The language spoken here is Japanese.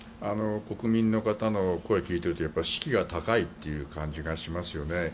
国民の方の声を聞いていると士気が高いという感じがしますよね。